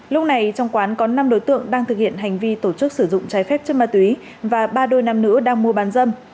lúc này trong quán có năm đối tượng đang thực hiện hành vi tổ chức sử dụng trái phép chất ma túy và ba đôi nam nữ đang mua bán dâm